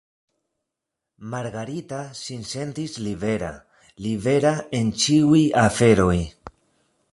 Margarita sin sentis libera, libera en ĉiuj aferoj.